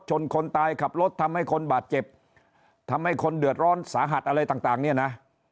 คนตายขับรถทำให้คนบาดเจ็บทำให้คนเดือดร้อนสาหัสอะไรต่างเนี่ยนะ